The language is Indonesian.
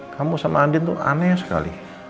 kamu sama andin itu aneh sekali